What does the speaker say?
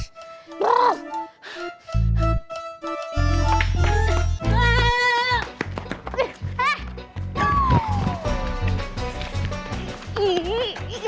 eh dong gue kamu